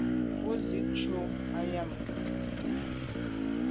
O zwi’t’a ntshu am ké.